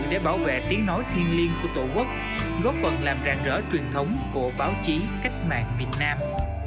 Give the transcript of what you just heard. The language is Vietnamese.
để bảo vệ tiếng nói thiên liêng của tổ quốc góp phần làm rền rỡ truyền thống của báo chí cách mạng miền nam